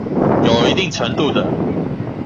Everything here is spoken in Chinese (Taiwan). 有一定程度的